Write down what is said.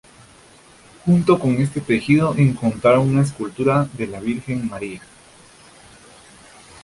Junto con este tejido, encontraron una escultura de la Virgen María.